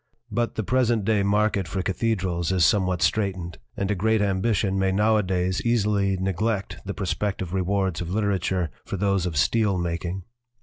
But the present day market for cathedrals is somewhat straitened, and a great ambition may nowadays easily neglect the prospective rewards of literature for those of steel making.